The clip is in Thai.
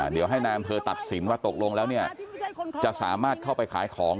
เดี๋ยวให้นายอำเภอตัดสินว่าตกลงแล้วเนี่ยจะสามารถเข้าไปขายของ